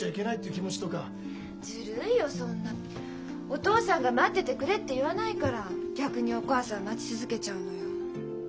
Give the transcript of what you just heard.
お父さんが「待っててくれ」って言わないから逆にお母さん待ち続けちゃうのよ。